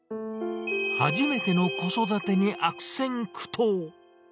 初めての子育てに悪戦苦闘。